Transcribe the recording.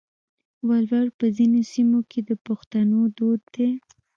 ولور په ځینو سیمو کې د پښتنو دود دی.